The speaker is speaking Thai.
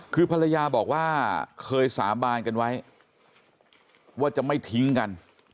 คือภรรยาบอกว่าเคยสาบานกันไว้ว่าจะไม่ทิ้งกัน